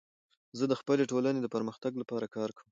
زه د خپلي ټولني د پرمختګ لپاره کار کوم.